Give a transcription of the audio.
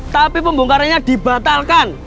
tapi pembongkarannya dibatalkan